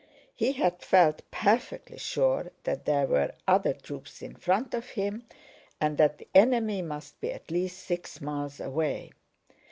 He had felt perfectly sure that there were other troops in front of him and that the enemy must be at least six miles away.